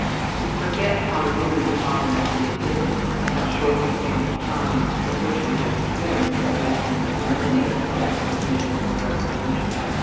We forget how new the modern city is, and how short the span of time in which we have assumed that we can eliminate public provision for recreation.